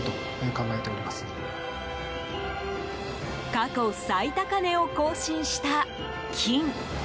過去最高値を更新した金。